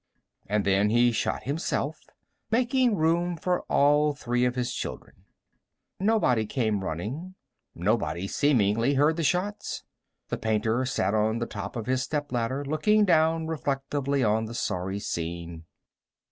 And then he shot himself, making room for all three of his children. Nobody came running. Nobody, seemingly, heard the shots. The painter sat on the top of his stepladder, looking down reflectively on the sorry scene.